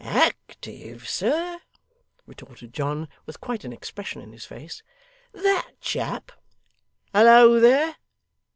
'Active, sir!' retorted John, with quite an expression in his face; 'that chap! Hallo there!